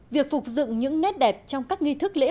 việc phục dựng những nét đẹp trong các nghi thức lễ hội